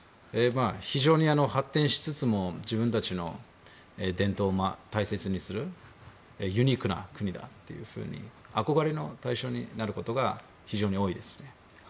非常に発展しつつも自分たちの伝統を大切にするユニークな国だというふうに憧れの対象になることが非常に多いですね。